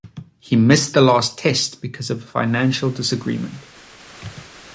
He missed the last Test because of a financial disagreement.